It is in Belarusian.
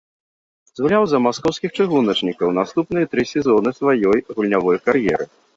Згуляў за маскоўскіх чыгуначнікаў наступныя тры сезоны сваёй гульнявой кар'еры.